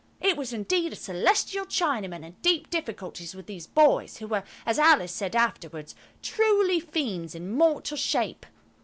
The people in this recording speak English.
It was indeed a Celestial Chinaman in deep difficulties with these boys who were, as Alice said afterwards, truly fiends in mortal shape.